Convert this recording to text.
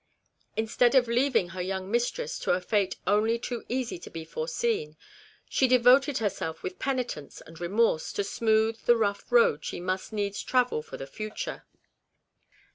Instead of leaving her young mistress to a fate only too easy to be foreseen, she devoted herself with penitence and remorse to smooth the rough road she must needs travel for the future.